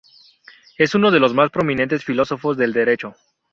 Es uno de los más prominentes filósofos del derecho.